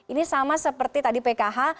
ini sama seperti tadi pkh